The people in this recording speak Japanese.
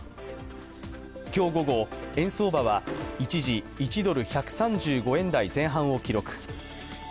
今日午後、円相場は一時１ドル＝１３５円台前半を記録。